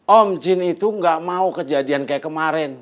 om jun itu gak mau kejadian kayak kemarin